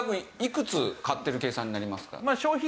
買ってる事になりますね。